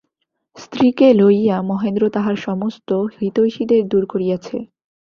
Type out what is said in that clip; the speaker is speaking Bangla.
স্ত্রীকে লইয়া মহেন্দ্র তাহার সমস্ত হিতৈষীদের দূর করিয়াছে।